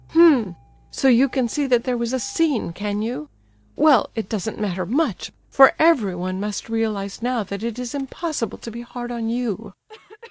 H'm! so you can see that there was a 'scene,' can you? Well, it doesn't matter much, for everyone must realize now that it is impossible to be hard on you.